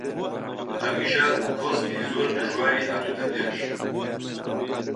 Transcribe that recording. هەمیشە کۆسپی زۆر دژواری هاتۆتە پێش